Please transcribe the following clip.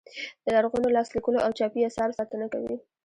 د لرغونو لاس لیکلو او چاپي اثارو ساتنه کوي.